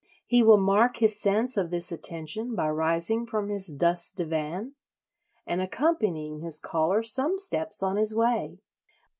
He will mark his sense of this attention by rising from his dust divan and accompanying his caller some steps on his way.